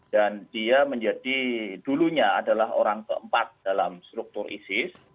dan dia menjadi dulunya adalah orang keempat dalam struktur isis